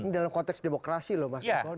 ini dalam konteks demokrasi loh mas jokowi